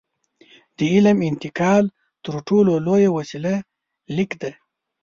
د علم د انتقال تر ټولو لویه وسیله لیک ده.